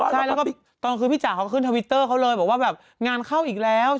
ใช่แล้วก็ตอนคือพี่จ๋าเขาขึ้นทวิตเตอร์เขาเลยบอกว่าแบบงานเข้าอีกแล้ว